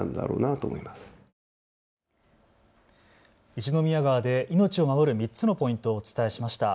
一宮川で命を守る３つのポイントをお伝えしました。